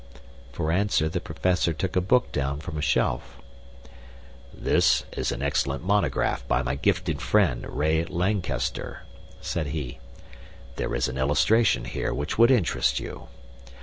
For answer the Professor took a book down from a shelf. "This is an excellent monograph by my gifted friend, Ray Lankester!" said he. "There is an illustration here which would interest you.